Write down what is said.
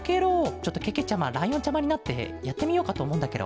ちょっとけけちゃまライオンちゃまになってやってみようかとおもうんだケロ。